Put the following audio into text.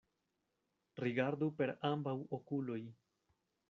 Rigardu per ambaŭ okuloj!